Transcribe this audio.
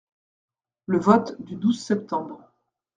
Le vote du douze septembre.